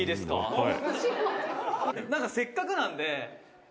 「はい」